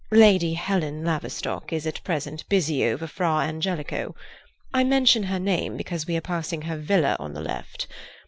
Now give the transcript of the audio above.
Lady Helen Laverstock is at present busy over Fra Angelico. I mention her name because we are passing her villa on the left.